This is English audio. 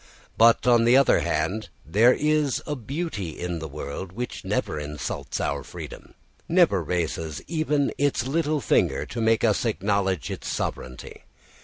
But, on the other hand, there is a beauty in the world which never insults our freedom, never raises even its little finger to make us acknowledge its sovereignty.